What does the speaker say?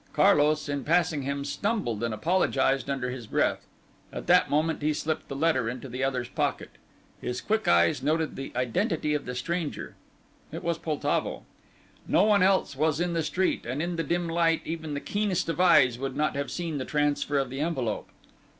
Carlos, in passing him, stumbled and apologized under his breath. At that moment he slipped the letter into the other's pocket. His quick eyes noted the identity of the stranger. It was Poltavo. No one else was in the street, and in the dim light even the keenest of eyes would not have seen the transfer of the envelope.